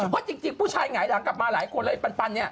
เพราะจริงผู้ชายหงายหลังกลับมาหลายคนแล้วไอ้ปันเนี่ย